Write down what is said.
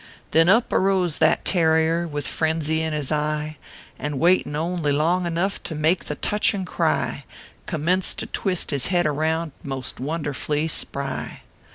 Then up arose that tarrier, With frenzy in his eye, And waitin only long enough To make a touchin cry, Commenced to twist his head around, Most wonderfully spry.